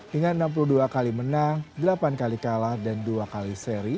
dengan enam puluh dua kali menang delapan kali kalah dan dua kali seri